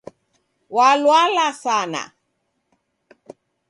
Walwala sana